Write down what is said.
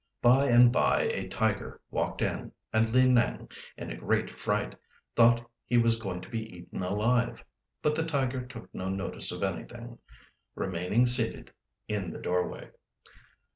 By and by a tiger walked in, and Li Nêng, in a great fright, thought he was going to be eaten alive. But the tiger took no notice of anything, remaining seated in the doorway.